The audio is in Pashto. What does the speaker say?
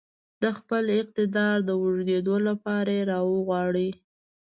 د خپل اقتدار د اوږدېدو لپاره يې راغواړي.